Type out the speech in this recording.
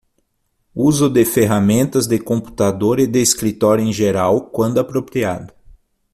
Uso de ferramentas de computador e de escritório em geral, quando apropriado.